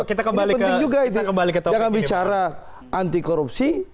ini penting juga jangan bicara anti korupsi